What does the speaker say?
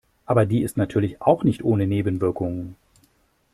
Aber die ist natürlich auch nicht ohne Nebenwirkungen.